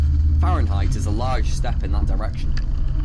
Fahrenheit is a large step in that direction.